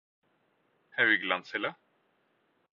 Hauglandshella